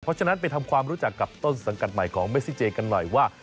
เพราะฉะนั้นไปทำความรู้จักกับต้นสังกัดใหม่ของเมซิเจกันหน่อยว่า